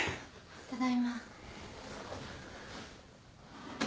ただいま。